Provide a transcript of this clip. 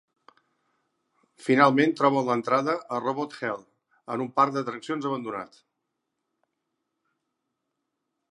Finalment troben l'entrada a Robot Hell en un parc d'atraccions abandonat.